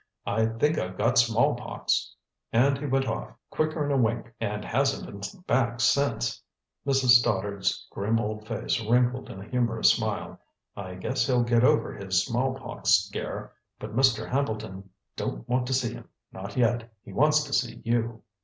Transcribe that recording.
I think I've got smallpox.' And he went off, quicker'n a wink, and hasn't been back since." Mrs. Stoddard's grim old face wrinkled in a humorous smile. "I guess he'll get over his smallpox scare, but Mr. Hambleton don't want to see him, not yet. He wants to see you."